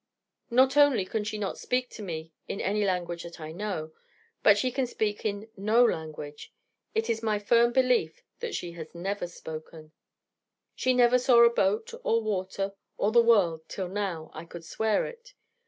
Not only can she not speak to me in any language that I know: but she can speak in no language: it is my firm belief that she has never spoken. She never saw a boat, or water, or the world, till now I could swear it.